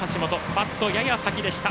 バットのやや先でした。